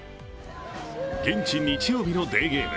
現地日曜日のデーゲーム。